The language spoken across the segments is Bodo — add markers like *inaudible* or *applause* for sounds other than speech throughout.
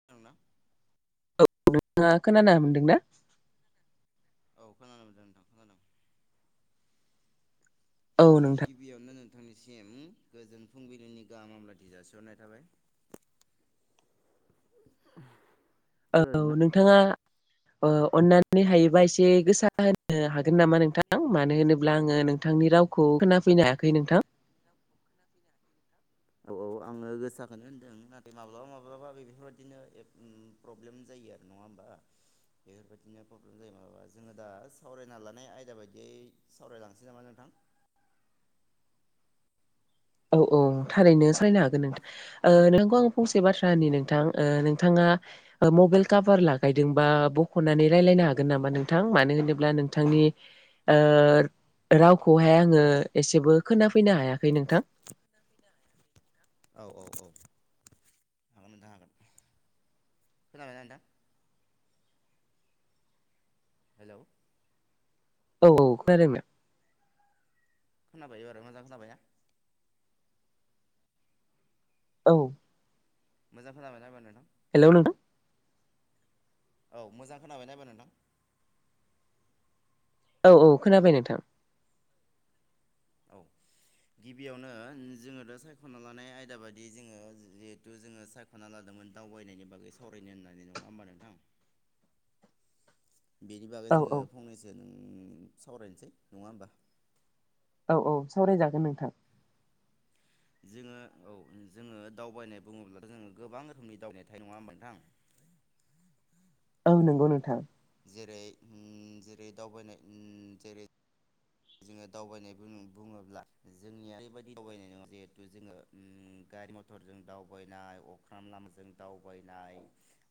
*unintelligible* औ नोंथाङा हेलौ खोना मोनदों ना? औ खोनानो मोनदों नोंथां खोनादों। औ नोंथा गिबियावनो नोंथांनिसिम गोजोन फुंबिलिनि गाहाम हामलाथि जासिहरनाय थाबाय। *unintelligible* थाङा ओ अननानै हायोबा एसे गोसा होनो हागोन नामा नोंथां मानो होनोब्ला आङो नोंथांनि राव खौ खोना फैनो हायाखै नोंथां। औ औ आङो गोसाखोनो होनदों नाथाय माब्लाबा माब्लाबा बे बेफोरबायदिनो एफ उम प्रब्लेम जायो आरो नङा होमबा? बेफोरबायदिनो प्रब्लेम जायो माबा जोङो दा सावरायना लानाय आयदा बायदियै सावरायलांसै नामा नोंथां? औ औ खोनादोंना थारैनो सायनो हागोन नोंथा ओ नोंखौ आं फंसे बाथ्रा औ होनि नोंथां ओ नोंथाङा ओ मबेल औ काभार लागायदोंबा ब खनानै रायलायनो हागोन नामा नोंथां मानो होनोब्ला नोंथांनि ओ रावखौहाय आङो एसेबो खोनाफैनो हायाखै नोंथां। औ औ औ हागोन नोंथां हागोन। खोनाबायना नोंथां? हेलौ औ औ *unintelligible* खोनाबाय एबारो मोजां खोनाबाय ना? औ। मोजां खोनाबाय ना एबार नोंथां? हेलौ नोंथा औ मोजां खोनाबायना एबार नोंथां? औ औ खोनाबाय नोंथां। औ गिबियावनो जोङो दा सायख'ना लानाय आयदा बायदियै जोङो जिहेथु जोङो साय ख'ना लादोंमोन दावबायनायनि बागै सावरायनो होननानै नङा होमबा नोंथां? बेनि बागै औ जोङो औ फंनैसो नों सावरायनोसै नङा होमबा? औ औ सावरायजागोन नोंथां। जोङो औ जोङो दावबायनाय बुङोब्लाथ' जोङो गोबां रोखोमनि दावनाय थायो नङा होमा नोंथां? औ नोंगौ नोंथां। जेरै हम जेरै दावबायनाय उम जेरै जोङो दावबायनाय बुन बुङोब्ला जोंनिया ओरैबायदि दावबायनाय *unintelligible* जिहेथु जोङो उम गारि मथरजों दावबायनाय अख्राम लामाजों दावबायनाय।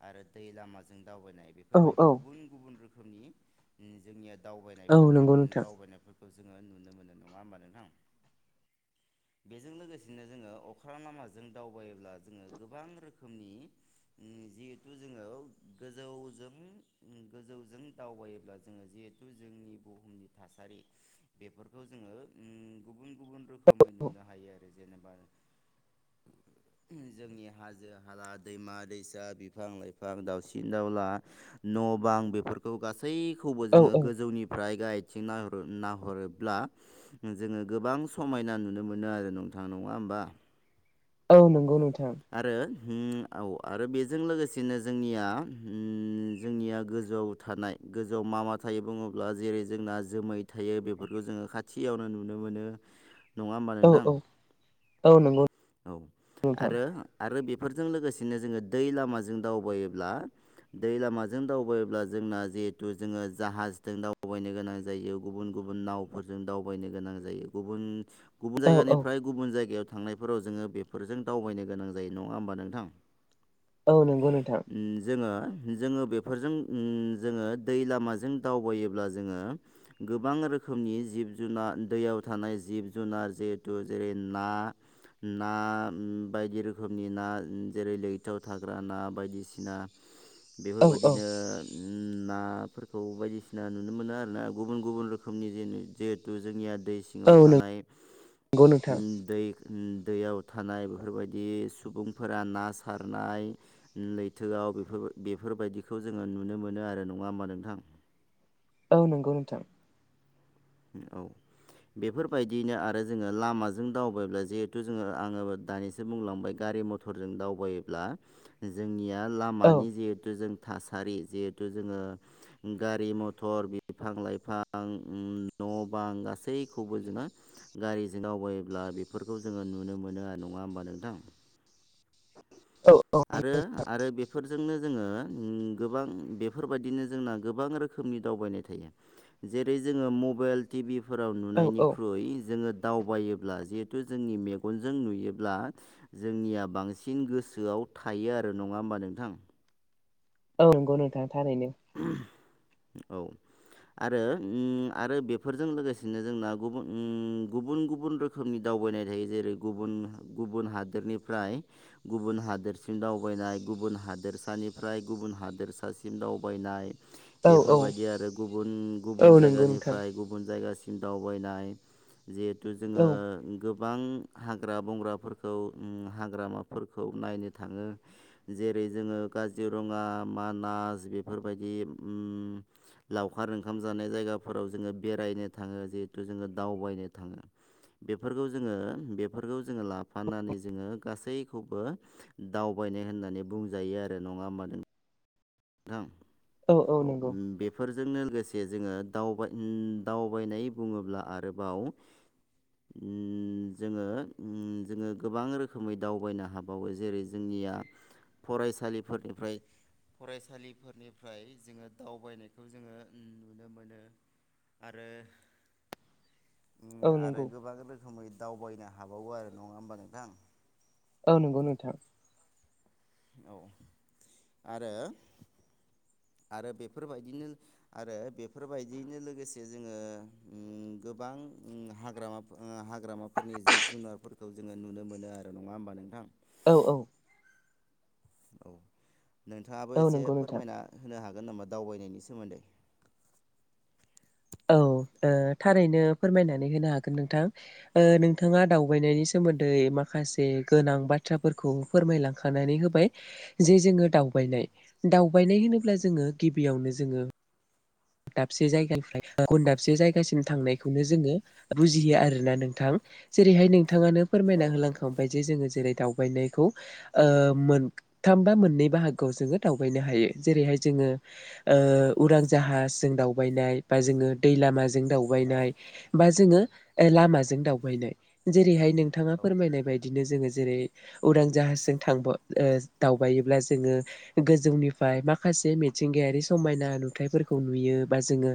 आरो दै लामाजों दावबायनाय। औ बेफोरबायदि औ गुबुन गुबुन रोखोमनि जोंनिया औ दावबायनायफोर ओ नंगौ नोंथां दावबायनायफोर खौ जोङो नुनो मोनो नङा होमबा नोंथां। बेजों लोगोसेनो जोङो अख्रा लामाजों दावबायोब्ला जोङो गोबां रोखोमनि। उम जिहेथु जोङो गोजौजों गोजौजों दावबायोब्ला जोङो जिहे तु जोंनि बुहुमनि थासारि बेफोरखौ जोङो उम गुबुन गुबुन रोखोमै नुनो हायो आरो जेनेबा। जोंनि हा जो हाला दैमा-दैसा, बिफां-लाइफां, दावसिन-दाउला न' बां बेफोरखौ गासैखौबो औ जोङो औ गोजौनिफ्राय गायथिं नाह नाहरोब्ला जोङो गोबां समायना नुनो मोनो आरो नोंथां नङा होमबा। औ नोंगौ नोंथां। आरो औ आरो बेजों लोगोसेनो जोंनिया जोंनिया गोजौआव। थानाय गोजौआव मा मा थायो बुङोब्ला जेरै जोंना जोमै थायो बेफोरखौ जोङो खाथियावनो नुनो मोनो। *inaudible* औ नोंथां औ औ नंगौ। औ नोंथां आरो आरो बेफोरजों लोगोसेनो जोङो दै लामाजों दावबायोब्ला। दै लामाजों दावबायायोब्ला जोंना जिहेथु जोङो जाहाजजों दावबायनो गोनां जायो। गुबुन गुबुन नावफोरजों दावबायनो गोनां जायो गुबुन गुबुन औ औ जायगानिफ्राय गुबुन जायगायाव थांनाय। फोराव जोङो बेफोरजों दावबायनो गोनां जायो नङा होमबा नोंथां। औ नंगौ नोंथां जोङो। जोङो बेफोरजों उम जोङो दै लामाजों दावबायोब्ला जोङो। गोबां रोखोमनि जिब जुना दैयाव थानाय जिब जुनार जिहेथु जेरै ना ना बायदि रोखोमनि ना जेरै लैथोआव थाग्रा ना बायदिसिना। औ बेफोरबायदिनो औ उम नाफोरखौ बायदिसिना नुनो मोनो आरोना गुबुन गुबुन रोखोमनि जेनि जिहेथु जोंनिया दैस सिङाव औ थानाय नंगौ नोंथां उम दै उम। दैयाव थानाय बेफोरबायदि सुबुंफोरा ना सारनाय। लैथोआव बेफोर बेफोरबायदिखौ जोङो नुनो मोनो आरो नङा होनबा नोंथां। औ नोंगौ नोंथां। औ। बेफोरबायदियैनो आरो जोङो लामाजों दावबायब्ला जिहेथु जोङो आङो दानिसो बुंलांबाय गारि मथर। मटरजों दावबायोब्ला जोंनिया औ लामानि जिहेथु जों। थासारि जिहेथु जोङो गारि मथर बिफां-लाइफां न' बां गासैखौबो जोंङो। गारिजों दावबोायोब्ला बेफोरखौ जोङो नुनो मोनो आरो नङा होमबा नोंथां। औ औ आरो आरो बेफोरजोंनो जोङो गोबां बेफोरबायदिनो जोंना गोबां रोखोमनि दावबायनाय थायो। जेरै जोङो मबाइल टिभिफोराव औ औ नुनायनिख्रुइ जोङो। दावबायोब्ला जिहेथु जोंनि मेगनजों नुयोब्ला। जोंनिया बांसिन गोसोआव थायो आरो नङा होमबा नोंथां। औ नंगौ नोंथां थारैनो औ। आरो आरो बेफोरजों लोगोसेनो जोंना गुबुन गुबुन गुबुन रोखोम। रोखोमनि दावबायनाय थायो जेरै गुबुन गुबुन हादोरनिफ्राय। गुबुन हादोरसिम दावबायनाय गुबुन हादोरसानिफ्राय गुबुन हादोरसासिम दावबाय। यनाय औ औ बेफोरबायदि आरो गुबुन औ गुबुन नंगौ नोंथां जायगानिफ्राय गुबुन जायगासि म दावबायनाय जिहेथु जोङो औ गोबां हाग्रा बंग्राफोरखौ हाग्रामाफोरखौ नायनो थाङो। जेरै जोङो काजिरङा मानास बेफोरबायदि लावखार ओंखाम जानाय जायगाफोराव जोङो बेरायनो थाङो जिहेथु जोङो दावबायनो थाङो बेफोरखौ जोङो बेफोरखौ जोङो लाफानानै जोङो गासैखौबो दावबायनाय होननानै बुंजायो आरो नङा होमब नों थां औ औ बे नंगौ बेफोरजोंनो लोगोसे जोङोबाय दावबायनाय बुङोब्ला आरोबाव *inaudible* ओ जोङो जोङो गोबां रोखोमै दावबायनो हाबावो जेरै जोंनिया फरायसालिफोरनिफ्राय फरायसालिफोरनिफ्राय जोङो दावबायनायखौ जोङो नुनो मोनो आरो औ आरो नंगौ गोबां रोखोमै दावबायनो हाबावो आरो नङा होमबा नोंथां औ नंगौ नोंथां औ आरो आरो बेफोरबायदिनो आरो बेफोरबायदियैनो लोगोसे जोङो गोबां हाग्रामा हाग्रामाफोरनि जिब जुनारफोरखौ जोङो नुनो मोनो आरो नङा होमबा नोंथां औ औ औ नोंथाङाबो औ एसे नंगौ नोंथां फोरमायना होनो हागोन नामा दावबायनायनि सोमोन्दै औ थारैनो फोरमायनानै होनो हागोन नोंथां ओ नोंथाङा दावबायनायनि सोमोन्दै माखासे गोनां बाथ्राफोरखौ फोरमायलांखानानै होबाय जे जोङो दाउ दावबायनाय दावबायनाय होनोब्ला जोङो गिबियावनो जोङो दाबसे जायगानिफ्राय गुबन दाबसे जायगासिम थांनायखौनो जोङो बुजियो आरोना नोंथां जेरैहाय नोंथाङानो औ फोरमायना नंगौ नंगौ होलांखांबाय जे जोङो जेरै दावबायनाय खौ मोनथाम बा मोननै बाहागोआव जोङो दावबायनो हायो जेरैहाय जोङो औ ओ उरां जाहाजजों दावबायनाय बा जोङो दै लामाजों औ दावबायनाय बा जोङो लामाजों दावबायनाय जेरैहाय नोंथाङा औ फोरमायनाय बायदिनो जोङो जेरै उरां जाहाजजों थां दावबायोब्ला जोङो गोजौनिफ्राय माखासे मिथिंगायारि समायना नुथायफोरखौ नुयो बा जोङो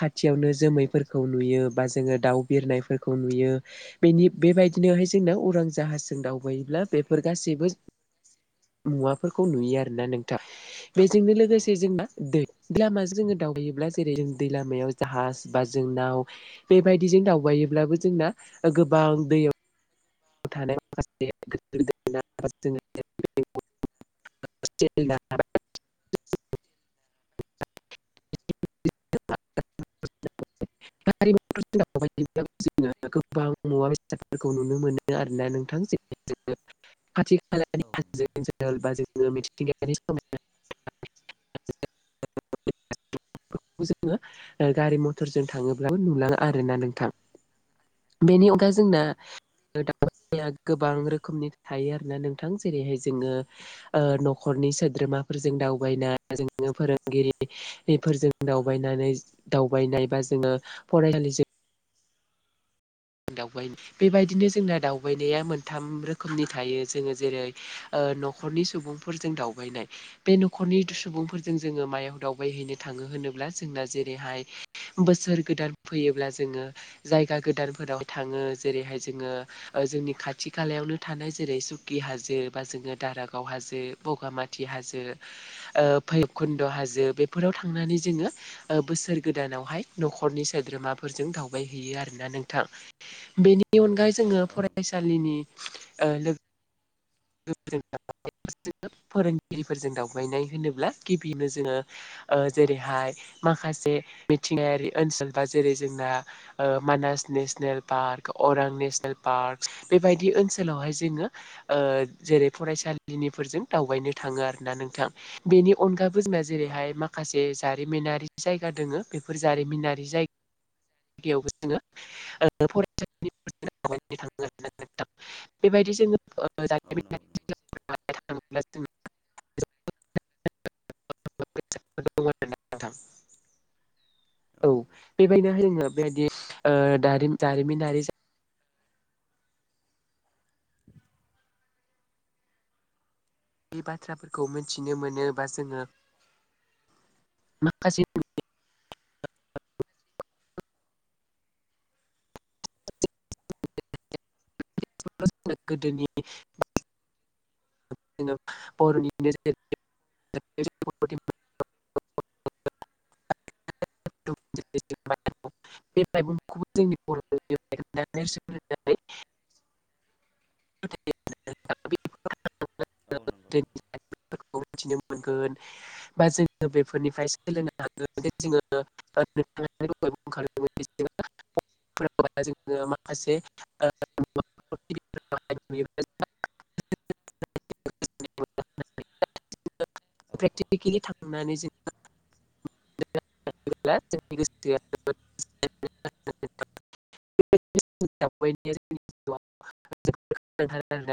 खाथियावनो जोमैफोरखौ नुयो बा जोङो दाउ बिरनायफोरखौ नुयो बेनि बेबायदिनोहाय जोंना उरां जाहाजजों दावबायोब्ला बेफोर गासैबो मुवाफोरखौ नुयो आरोना नोंथां बेजोंनो लोगोसे नंगौ जोंना दै लामा जोङो दावबायोब्ला जेरै जों दै लामायाव जाहाज बा जोंनाव बेबायदिजों दावबायोब्लाबो जोंना गोबां दैयाव थानाय माखासे *unintelligible* *unintelligible* *inaudible* *unintelligible* *unintelligible* जोङो गोबां मुवा बेसादफोरखौ नुनो मोनो आरोना नोंथां *unintelligible* खाथि खालानि औ नंगौ हाजो बा जोङो मिथिंगायारि समायना *unintelligible* *inaudible* जोङो गारि मथरजों थाङोब्लाबो नुलाङो आरोना नोंथां बेनि अनगा औ नंगौ जोंना नंगौ दावबायनायख गोबां रोखोमनि थायो आरोना नोंथां जेरैहाय जोङो ओ न'खरनि सोद्रोमाफोरजों दावबायना जोङो फोरोंगिरि बेफोरजों दावबायनानै दावबायनाय बा जोङो फरायनानै जों दावबायनाय बेबायदिनो जोंना दावबायनाया मोनथाम रोखोमनि थायो जोङो जेरै ओ न'खरनि सुबुंफोरजों दावबायनाय बे न'खरनि औ सुबुंफोरजों जोङो मायाव दावबायहैनो थाङो होनोब्ला जोंना जेरैहाय बोसोर गोदान फैयोब्ला जोङो जायगा गोदानफोराव थाङो जेरैहाय जोङो जोंनि खाथि खालायावनो थानाय जेरै सुकि हाजो बा जोङो दारागाव हाजो बगामाथि हाजो भैरबकुन्द' हाजो बेफोराव थांनानै जोङो बोसोर गोदानावहाय न'खरनि सोद्रोमाफोरजों दावबायहैयो आरोना नों नोंथां बेनि अनगायै जोङो औ नंगौ फरायसालिनि *unintelligible* लोगो फोरोंगिरिफोरजों दावबायनाय होनोब्ला गिबियावनो जोङो जेरैहाय माखासे मिथिंगायारि ओनसोल बा जेरै जोंना मानास नेसनेल पार्क अरां नेसनेल पार्क बेबायदि ओनसोलावहाय जोङो ओ जेरै फरायसालिनिफोरजों दावबायनो थाङो आरोना नोंथां बेनि अनगाबो जोंना औ जेरैहाय नंगौ माखासे जे जारिमिनारि जायगा दोङो बेफोर जारिमिनारि जायगा जायगायावबो जोङो फरायसालि थाङो आरोना औ नंगौ औ नंगौ *inaudible* *inaudible* *unintelligible* नोंथां *inaudible* औ नंगौ बेबायदि नोङो बेबायदि दारिमिनारि *inaudible* बे बाथ्राफोरखौ मिथिनो मोनोबा जोङो माखासे गोदोनि बर'नि *inaudible* बे माइगंखौबो जोंनि बर *unintelligible* औ नंगौ नंगौ मिथिनो मोनगोन बा जोङो बेफोरनिफ्राय *unintelligible* फोरा जोङो माखासे ओ *unintelligible* *unintelligible* औ औ प्रेक्टिकेलि थांनानै जों *unintelligible* *unintelligible*